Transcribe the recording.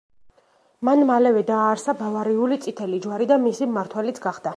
მან მალევე დააარსა ბავარიული წითელი ჯვარი და მისი მმართველიც გახდა.